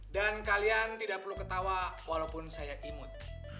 dan kalian tidak perlu ketawa walaupun saya imut